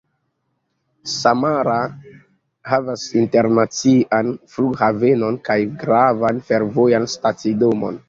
Samara havas internacian flughavenon kaj gravan fervojan stacidomon.